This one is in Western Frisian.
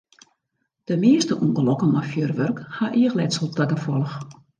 De measte ûngelokken mei fjurwurk ha eachletsel ta gefolch.